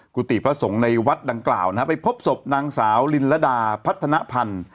กุฏิพระสงฆ์ในวัดดังกล่าวนะฮะไปพบศพนางสาวลินระดาพัฒนภัณฑ์